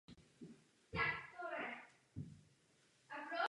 Tehdy byla také původní barokní střecha nahrazena jednodušší střechou jehlancovou.